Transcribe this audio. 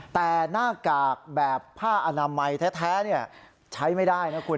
แต่หน้ากากแบบผ้าอนามัยแท้ใช้ไม่ได้นะคุณ